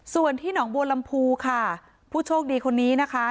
ส่วนที่หนองบัวลำพูค่ะผู้โชคดีคนนี้นะคะ